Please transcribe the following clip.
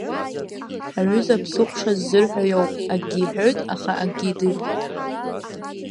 Аҩыза ԥсыхәша ззырҳәо иоуп, акгьы иҳәоит, аха акгьы идыруеит.